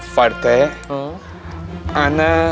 kalian pada mau kemana